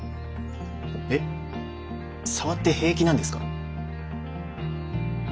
えっ触って平気なんですか？